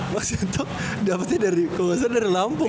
maksianto dapetnya kalau gak salah dari lampung